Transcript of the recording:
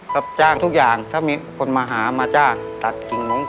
ตะจ้างทุกอย่างเธอมิคคลมาหามาจ้างตัดหญิงถึงไม้